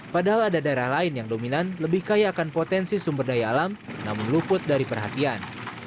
padahal ada daerah lain yang dominan lebih kaya akan potensi sumber daya alam namun luput dari perhatian